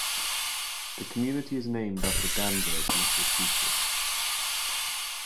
The community is named after Danvers, Massachusetts.